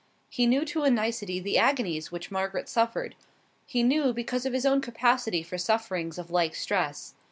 He knew to a nicety the agonies which Margaret suffered. He knew, because of his own capacity for sufferings of like stress.